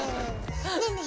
ねえねえ